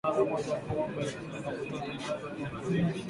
Hawajawahi hata mara moja kuomba idhini au kutoa tangazo kwa polisi